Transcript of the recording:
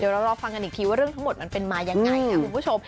เดี๋ยวเรารอฟังกันอีกทีว่าเรื่องทั้งหมดมันเป็นมายังไงนะคุณผู้ชม